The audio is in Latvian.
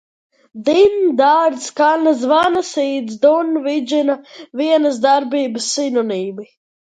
Dimd, dārd, skan, zvana, sīc, dun, vidžina - vienas darbības sinonīmi.